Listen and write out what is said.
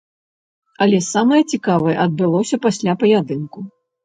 Але самае цікавае адбылося пасля паядынку.